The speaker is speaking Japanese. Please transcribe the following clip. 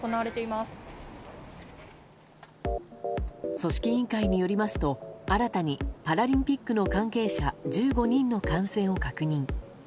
組織委員会によりますと新たにパラリンピックの関係者１５人の感染を確認。